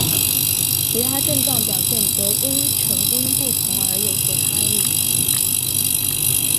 其他症状表现则常因成因不同而有所差异。